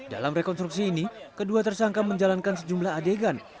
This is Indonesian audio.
dalam rekonstruksi ini kedua tersangka menjalankan sejumlah adegan